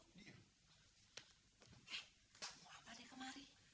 eh mau apa deh kemari